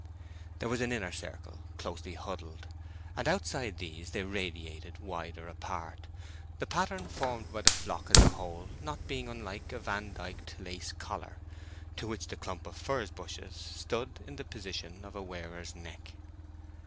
There was an inner circle closely huddled, and outside these they radiated wider apart, the pattern formed by the flock as a whole not being unlike a vandyked lace collar, to which the clump of furze bushes stood in the position of a wearer's neck.